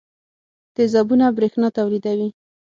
تیزابونه برېښنا تولیدوي.